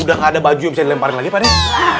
udah gak ada baju yang bisa dilemparin lagi pak deh